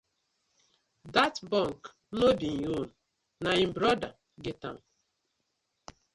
Dat bunk no be im own, na im brother get am.